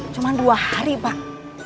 cuma dua hari pak